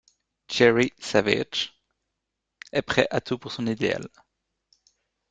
Jerry Savage est prêt à tout pour son idéal.